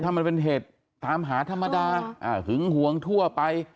ถ้ามันเป็นเหตุตามหาธรรมดาหึงหวงทั่วไป